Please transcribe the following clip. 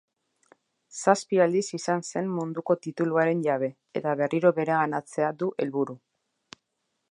Zazpi aldiz izan zen munduko tituluaren jabe eta berriro bereganatzea du helburu.